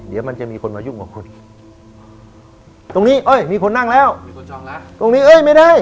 เดี๋ยวมันจะมีคนมายุ่งกับคุณตรงนี้เอ้ยมีคนนั่งแล้วมีคนจองแล้วตรงนี้เอ้ยไม่ได้